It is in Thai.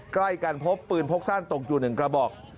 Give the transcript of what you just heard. ใกล้กันพบปืนพกสั้นตกอยู่๑กระบอก